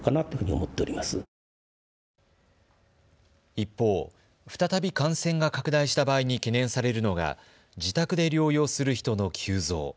一方、再び感染が拡大した場合に懸念されるのが自宅で療養する人の急増。